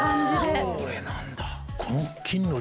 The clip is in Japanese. これなんだ。